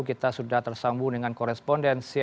kita sudah tersambung dengan korespondensi